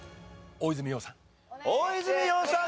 大泉洋さん